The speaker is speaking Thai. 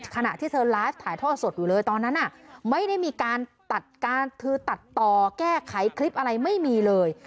ขณะที่เธอไลฟ์ถ่ายทอดสดอยู่เลยตอนนั้นไม่ได้มีการตัดการคือตัดต่อแก้ไขคลิปอะไรไม่มีเลย